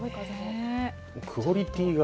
クオリティーが。